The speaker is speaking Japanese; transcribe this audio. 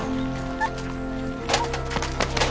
あっ。